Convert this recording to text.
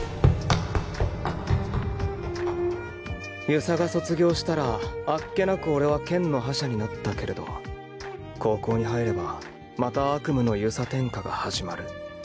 遊佐が卒業したらあっけなく俺は県の覇者になったけれど高校に入ればまた悪夢の遊佐天下が始まる。